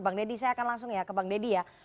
bang deddy saya akan langsung ya ke bang deddy ya